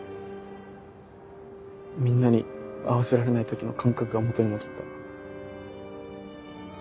みんなに合わせられない時の感覚が元に戻った。